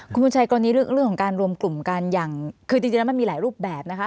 คุณบุญชัยกรณีเรื่องของการรวมกลุ่มกันอย่างคือจริงแล้วมันมีหลายรูปแบบนะคะ